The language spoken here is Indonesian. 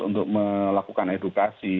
untuk melakukan edukasi